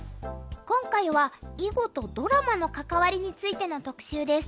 今回は囲碁とドラマの関わりについての特集です。